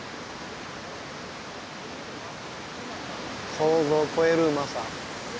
想像を超えるうまさ。